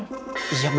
nanti kita masuk